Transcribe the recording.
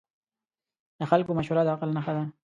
د خلکو مشوره د عقل نښه ده.